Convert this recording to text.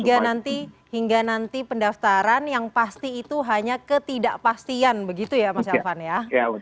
jadi hingga nanti pendaftaran yang pasti itu hanya ketidakpastian begitu ya mas yalfan ya